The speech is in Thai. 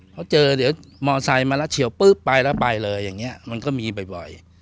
เขาเจอเมาไซค์มาแล้วไปแล้วไปเลยมันก็มีบ่อย